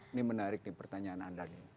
ini menarik nih pertanyaan anda nih